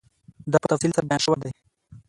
دا په تفصیل سره بیان شوی دی